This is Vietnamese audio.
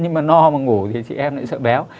nhưng mà no mà ngủ thì chị em lại sợ béo